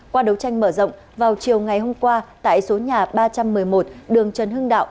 qua đấu tranh mở rộng vào chiều ngày hôm qua tại số nhà ba trăm một mươi một đường trần hưng đạo